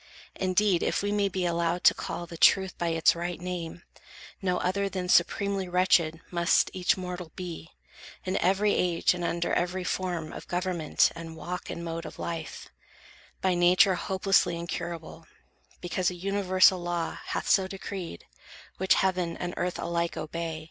Indeed, if we may be allowed to call The truth by its right name, no other than Supremely wretched must each mortal be, In every age, and under every form Of government, and walk and mode of life; By nature hopelessly incurable, Because a universal law hath so Decreed, which heaven and earth alike obey.